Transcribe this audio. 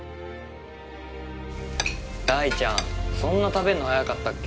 大ちゃんそんな食べんのはやかったっけ？